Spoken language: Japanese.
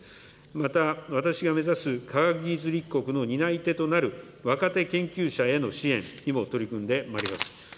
また、私が目指す科学技術立国の担い手となる、若手研究者への支援にも取り組んでまいります。